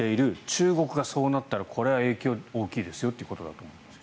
中国がそうなったらこれは影響が大きいですよということだと思います。